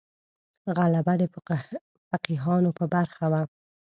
غلبه د فقیهانو په برخه وه.